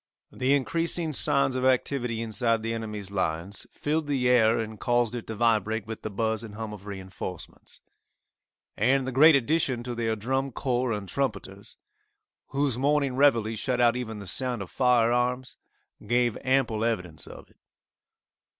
The increasing signs of activity inside the enemy's lines filled the air and caused it to vibrate with the buz and hum of reinforcements, and the great addition to their drum corps and trumpeters, whose morning reveille shut out even the sound of fire arms, gave ample evidence of it.